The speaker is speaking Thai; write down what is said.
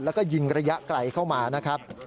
แล้วก็ยิงระยะไกลเข้ามานะครับ